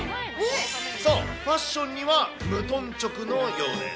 そう、ファッションには無頓着のようです。